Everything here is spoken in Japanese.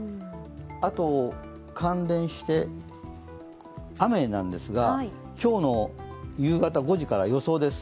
あと、関連して、雨なんですが今日の夕方５時から予想です。